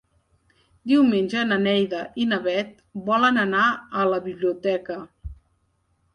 Diumenge na Neida i na Bet volen anar a la biblioteca.